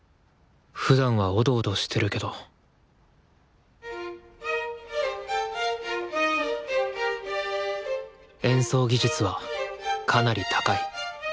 ふだんはおどおどしてるけど演奏技術はかなり高い。